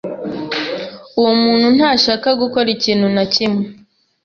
Uwo muntu ntashaka gukora ikintu na kimwe.